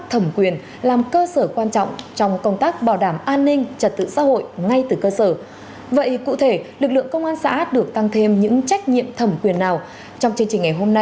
từ mùa một tháng một mươi hai nghìn một mươi bảy đến tháng sáu năm hai nghìn hai mươi một công an xã đã xử lý hơn hai trăm tám mươi ba tin báo tố rác tội phạm